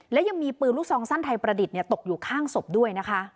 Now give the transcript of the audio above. และยังมีปืนลูกซองสั้นไทยประดิษฐ์ตกอยู่ข้างศพด้วยนะคะ